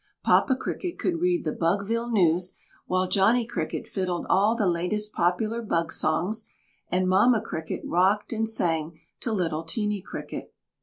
Papa Cricket could read the Bugville News while Johnny Cricket fiddled all the latest popular Bug Songs and Mamma Cricket rocked and sang to little Teeny Cricket.